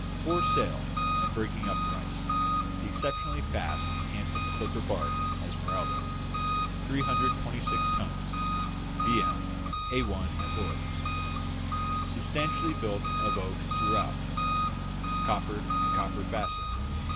"For Sale, at Breaking up Price. The exceptionally fast and handsome clipper barque Esmeralda, 326 tons B.M., A1 at Lloyd's. Substantially built of oak throughout; coppered, and copper fastened.